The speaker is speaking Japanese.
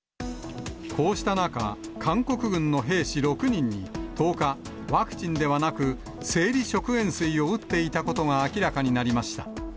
こうした中、韓国軍の兵士６人に、１０日、ワクチンではなく、生理食塩水を打っていたことが明らかになりました。